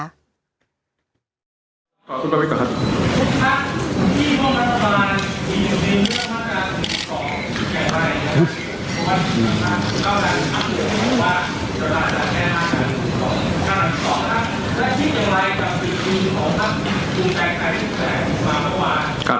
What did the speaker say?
ขอคุณต่อไปก่อนครับ